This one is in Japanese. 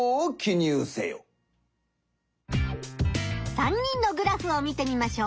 ３人のグラフを見てみましょう。